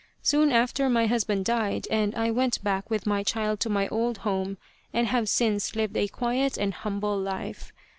Soon after my husband died, and I went back with my child to my old home, and have since lived a quiet and humble life.